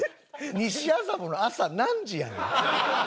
西麻布の朝何時やねん？